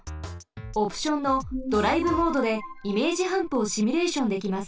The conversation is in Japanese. オプションのドライブモードでイメージハンプをシミュレーションできます。